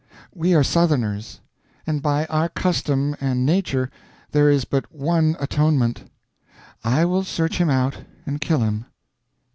We are Southerners; and by our custom and nature there is but one atonement. I will search him out and kill him."